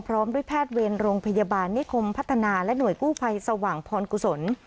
พร้อมด้วยแพทย์เวรโรงพยาบาลนิคมพัฒนาและหน่วยกู้ภัยสว่างพรกุศล